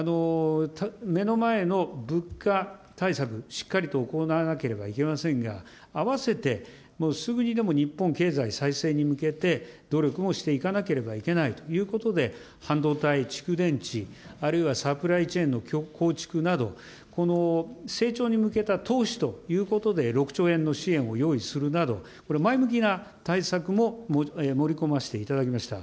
目の前の物価対策、しっかりと行わなければいけませんが、併せてすぐにでも日本経済再生に向けて努力もしていかなければいけないということで、半導体、蓄電池、あるいはサプライチェーンの構築など、この成長に向けた投資ということで６兆円の支援を用意するなど、これ、前向きな対策も盛り込ませていただきました。